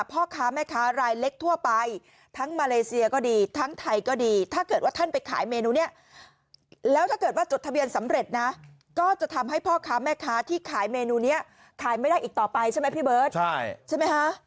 พ่อค้าแม่ค้ารายเล็กทั่วไปทั้งมาเลเซียก็ดีทั้งไทยก็ดีถ้าเกิดว่าท่านไปขายเมนูนี้แล้วถ้าเกิดว่าจดทะเบียนสำเร็จนะก็จะทำให้พ่อค้าแม่ค้าที่ขายเมนูนี้ขายไม่ได้อีกต่อไปใช่ไหมพี่เบิร์ตใช่ไหมคะ